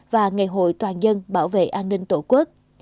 và ngày hội toàn dân bảo vệ an ninh tổ quốc